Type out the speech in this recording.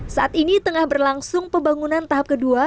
saat ini tengah berlangsung pembangunan tahap kedua